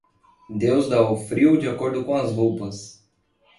Deus dá o frio de acordo com as roupas.